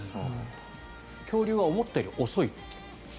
恐竜は思ったより遅いと。